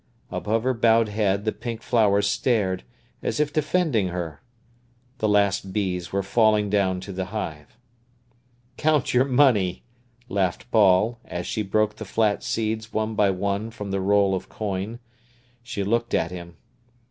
Above her bowed head the pink flowers stared, as if defending her. The last bees were falling down to the hive. "Count your money," laughed Paul, as she broke the flat seeds one by one from the roll of coin. She looked at him.